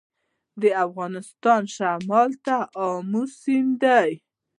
د افغانستان شمال ته امو سیند دی